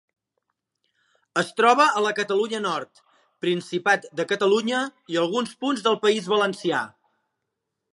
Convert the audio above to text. Es troba a la Catalunya Nord, Principat de Catalunya i alguns punts del País Valencià.